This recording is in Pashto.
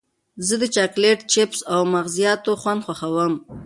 زه د چاکلېټ، چېپس او مغزیاتو خوند خوښوم.